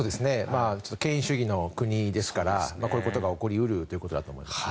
権威主義の国ですからこういうことが起こり得るということだと思います。